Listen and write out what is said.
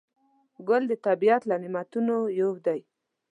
ګل د طبیعت له نعمتونو یو دی.